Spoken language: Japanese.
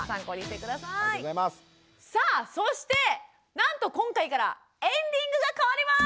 さあそしてなんと今回からエンディングが変わります！